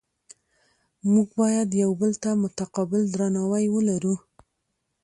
موږ باید یو بل ته متقابل درناوی ولرو